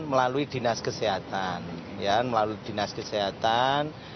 melalui dinas kesehatan melalui dinas kesehatan